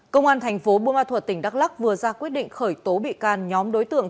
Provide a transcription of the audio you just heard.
công an thành phố buôn ma thuật tỉnh đắk lắc vừa ra quyết định khởi tố bị can nhóm đối tượng